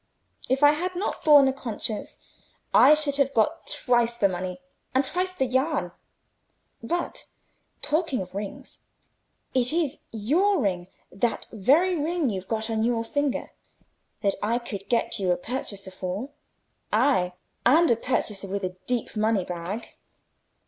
If I had not borne a conscience, I should have got twice the money and twice the yarn. But, talking of rings, it is your ring—that very ring you've got on your finger—that I could get you a purchaser for; ay, and a purchaser with a deep money bag."